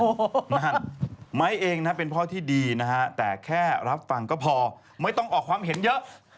โอ้โหนะฮะไม้เองนะเป็นพ่อที่ดีนะฮะแต่แค่รับฟังก็พอไม่ต้องออกความเห็นเยอะ